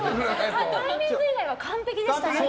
タイミング以外は完璧でした。